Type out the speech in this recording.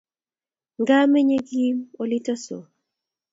Nga menye Kim olito so?